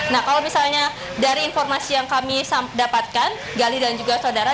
nah kalau misalnya dari informasi yang kami dapatkan gali dan juga saudara